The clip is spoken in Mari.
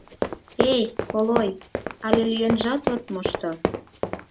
Эй, колой, але лӱенжат от мошто.